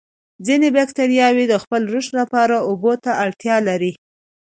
ځینې باکتریاوې د خپل رشد لپاره اوبو ته اړتیا لري.